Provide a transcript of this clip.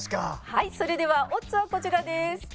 はいそれではオッズはこちらです。